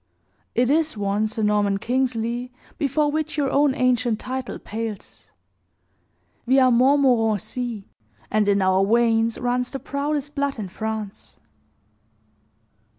"It is one, Sir Norman Kingsley, before which your own ancient title pales. We are Montmorencis, and in our veins runs the proudest blood in France."